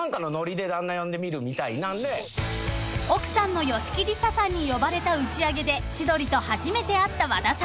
［奥さんの吉木りささんに呼ばれた打ち上げで千鳥と初めて会った和田さん］